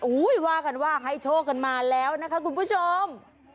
ว่ากันว่าให้โชคกันมาแล้วนะคะคุณผู้ชม